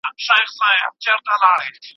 د زکات پروسه باید شفافه وي.